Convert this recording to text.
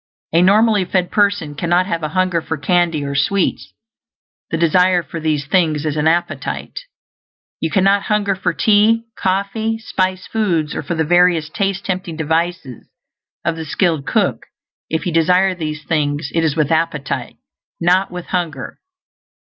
A normally fed person cannot have a hunger for candy or sweets; the desire for these things is an appetite. You cannot hunger for tea, coffee, spiced foods, or for the various taste tempting devices of the skilled cook; if you desire these things, it is with appetite, not with hunger.